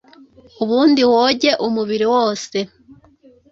ubundi woge umubiri wose